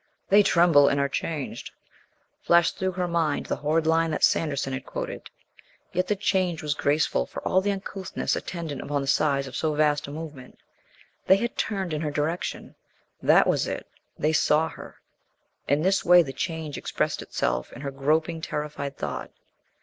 "They tremble and are changed," flashed through her mind the horrid line that Sanderson had quoted. Yet the change was graceful for all the uncouthness attendant upon the size of so vast a movement. They had turned in her direction. That was it. They saw her. In this way the change expressed itself in her groping, terrified thought.